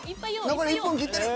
残り１分切ってる。